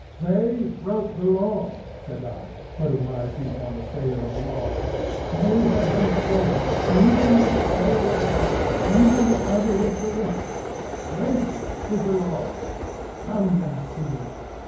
"They broke the Law," said I, putting my foot on the Sayer of the Law. "They have been slain,—even the Sayer of the Law; even the Other with the Whip. Great is the Law! Come and see."